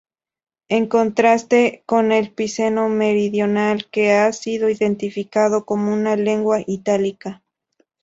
En contraste con el piceno meridional, que ha sido identificado como una lengua itálica.